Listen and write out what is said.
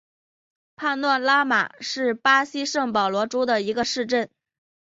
帕诺拉马是巴西圣保罗州的一个市镇。